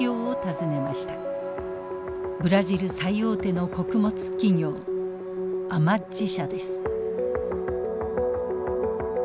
ブラジル最大手の穀物企業アマッジ社です。